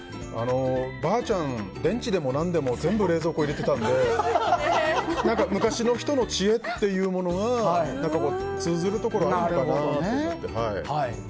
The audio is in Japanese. ばあちゃん、電池でも何でも全部、冷蔵庫に入れてたので昔の人の知恵というものは通ずるところがあるのかなと思って。